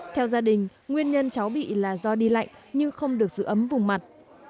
theo gia đình nguyên nhân cháu bị là do đi lạnh nhưng không được giữ ấm vùng mặt